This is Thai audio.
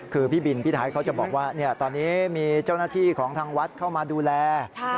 คือพี่บินพี่ไทยเขาจะบอกว่าตอนนี้มีเจ้าหน้าที่ของทางวัดเข้ามาดูแล